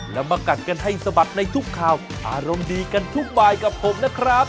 แล้วมากัดกันให้สะบัดในทุกข่าวอารมณ์ดีกันทุกบายกับผมนะครับ